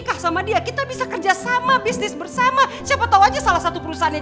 kamu ditemani oleh ruri